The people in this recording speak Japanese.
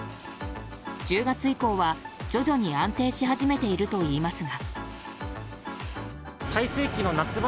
１０月以降は徐々に安定し始めているといいますが。